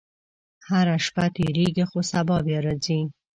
• هره شپه تېرېږي، خو سبا بیا راځي.